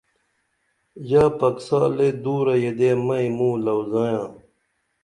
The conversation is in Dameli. ژا پکسالے دُورہ یدے مئی موں لعوزائیاں